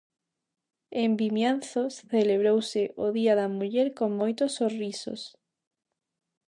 En Vimianzo celebrouse o día da muller con moitos sorrisos.